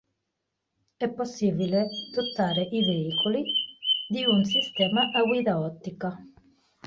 È possibile dotare i veicoli di un Sistema a Guida Ottica.